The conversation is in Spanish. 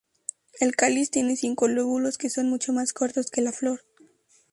El cáliz tiene cinco lóbulos que son mucho más cortos que la flor.